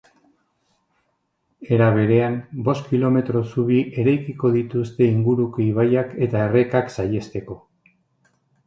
Era berean, bost kilometro zubi eraikiko dituzte inguruko ibaiak eta errekak saihesteko.